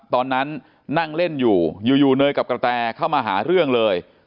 ตอนนั้นนั่งเล่นอยู่อยู่เนยกับกระแตเข้ามาหาเรื่องเลย